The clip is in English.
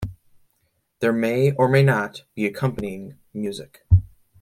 There may or may not be accompanying music.